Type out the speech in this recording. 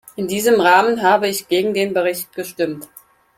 In diesem Rahmen habe ich gegen den Bericht gestimmt.